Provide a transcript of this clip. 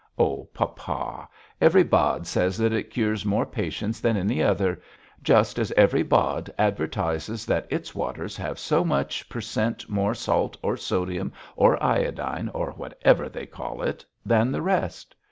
'Oh, papa, every Bad says that it cures more patients than any other, just as every Bad advertises that its waters have so much per cent. more salt or sodium or iodine, or whatever they call it, than the rest.